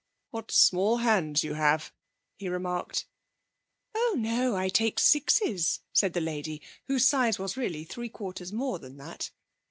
'What small hands you have!' he remarked. 'Oh no! I take sixes,' said the lady, whose size was really three quarters more than that.